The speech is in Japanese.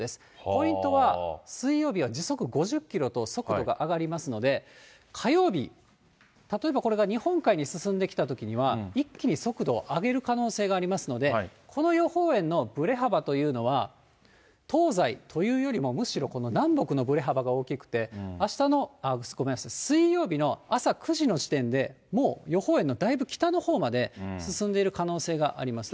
ポイントは、水曜日は時速５０キロと、速度が上がりますので、火曜日、例えばこれが日本海に進んできたときには一気に速度を上げる可能性がありますので、この予報円のぶれ幅というのは、東西というよりも、むしろ南北のぶれ幅が大きくて、水曜日の朝９時の時点で、もう予報円のだいぶ北のほうまで進んでいる可能性があります。